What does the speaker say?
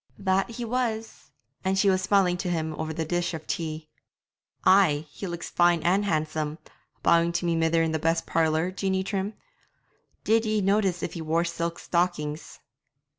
'That he was; and she smiling tae him over the dish of tea.' 'Ay, he looks fine and handsome, bowing to my mither in the best parlour, Jeanie Trim. Did ye notice if he wore silk stockings?'